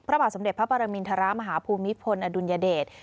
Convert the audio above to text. พระบาทสมเด็จพระปรมินทรมาฮภูมิพลอดุลยเดช